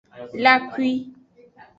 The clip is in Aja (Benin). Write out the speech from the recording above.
La akwi.